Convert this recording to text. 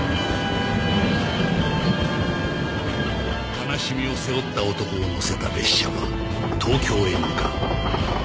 悲しみを背負った男を乗せた列車は東京へ向かう